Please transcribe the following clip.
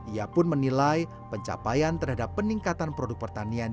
ia pun menilai pencapaian terhadap peningkatan produk pertanian